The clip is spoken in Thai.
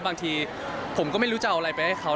บางทีผมก็ไม่รู้จะเอาอะไรไปให้เขา